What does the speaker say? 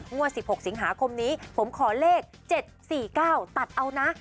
งวด๑๖สิงหาคมนี้ผมขอเลข๗๔๙ตัดเอานะ